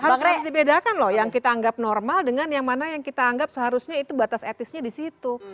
harus dibedakan loh yang kita anggap normal dengan yang mana yang kita anggap seharusnya itu batas etisnya di situ